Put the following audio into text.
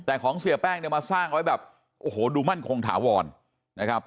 แต่ของเสียแป้งเนี่ยมาสร้างไว้แบบโอ้โหดูมั่นคงถาวรนะครับ